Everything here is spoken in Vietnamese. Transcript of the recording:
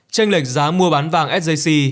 tranh lệch giá mua bán vàng sjc